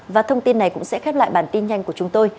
và thông tin này cũng sẽ khép lại bản tin nhanh của chúng tôi